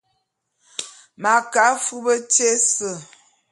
M'a ke afub tyé ése.